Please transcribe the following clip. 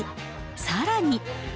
さらに。